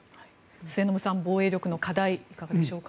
末延さん、防衛力の課題いかがでしょうか。